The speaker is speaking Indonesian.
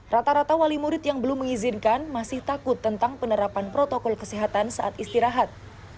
rata rata wali murid yang belum mengizinkan masih takut tentang penerapan protokol kesehatan saat istirahat